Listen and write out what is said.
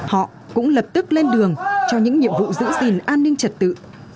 họ cũng lập tức lên đường cho những nhiệm vụ giữ gìn an ninh trật tự